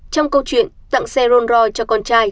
trong câu chuyện tặng xe rolls royce cho con trai